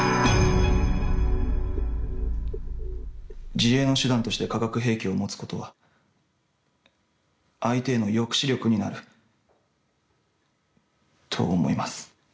自衛の手段として化学兵器を持つことは相手への抑止力になると思います。